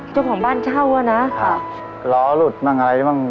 เจ้าของบ้านเช่าอ่ะนะค่ะล้อหลุดมั่งอะไรมั่ง